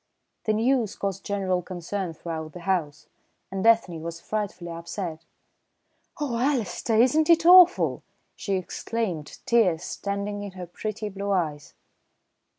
The news caused general concern throughout the house, and Ethne was frightfully upset. "Oh, Alister, isn't it awful?" she exclaimed, tears standing in her pretty blue eyes.